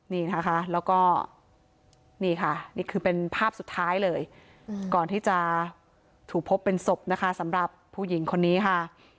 นี่นะคะแล้วก็นี่ค่ะนี่คือเป็นภาพสุดท้ายเลยก่อนที่จะถูกพบเป็นศพนะคะสำหรับผู้หญิงคนนี้ค่ะ